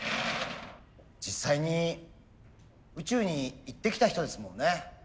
実際に宇宙に行ってきた人ですもんね。